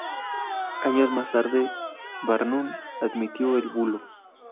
Años más tarde, Barnum admitió el bulo.